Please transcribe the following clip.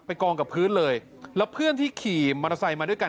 กองกับพื้นเลยแล้วเพื่อนที่ขี่มอเตอร์ไซค์มาด้วยกัน